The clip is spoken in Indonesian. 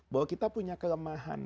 bahwa kita punya kelemahan